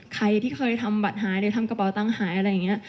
ใครที่เคยทำบัตรหายหรือทำกระเป๋าตังค์หายอะไรอย่างนี้